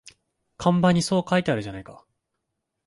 看板にそう書いてあるじゃないか